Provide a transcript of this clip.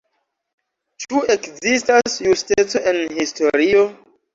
Ĉu ekzistas justeco en historio?